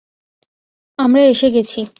আমরা এসে গেছি।